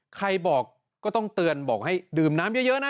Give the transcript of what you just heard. ใครบอกก็ต้องเตือนบอกให้ดื่มน้ำเยอะนะ